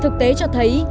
thực tế cho thấy